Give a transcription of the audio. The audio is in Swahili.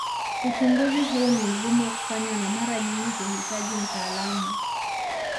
Uchunguzi huu ni mgumu kufanywa na mara nyingi huhitaji mtaalamu.